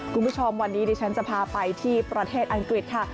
คุณผู้ชมวันนี้ดิฉันจะพาไปที่ประเทศอังกฤษค่ะ